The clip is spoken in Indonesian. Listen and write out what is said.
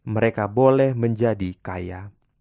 mereka boleh menjadi kaya